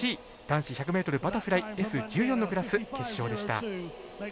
男子１００ｍバタフライＳ１４のクラス決勝でした。